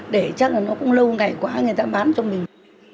để chắc là nó cũng lâu ngày quá người ta bán cho mình